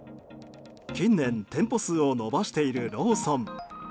近年、店舗数を伸ばしているローソン。